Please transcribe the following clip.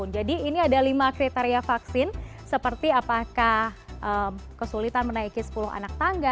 jadi ini ada lima kriteria vaksin seperti apakah kesulitan menaiki sepuluh anak tangga